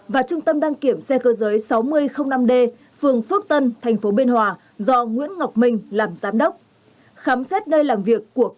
và trung tâm đăng kiểm xe cơ giới sáu mươi năm d phương phước tân tp bht do nguyễn ngọc minh làm giám đốc